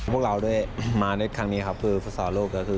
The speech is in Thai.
พวกเรามาด้วยครั้งนี้คือผู้สอนโลก